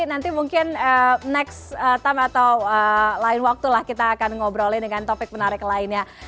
nanti mungkin next time atau lain waktulah kita akan ngobrolin dengan topik menarik lainnya